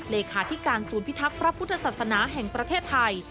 เลขาธิการศูนย์พิทักษ์พระพุทธศาสนาแห่งประเทศไทย